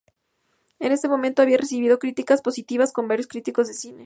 En ese momento, había recibido críticas positivas por varios críticos de cine.